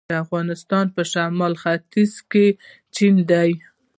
د افغانستان په شمال ختیځ کې چین دی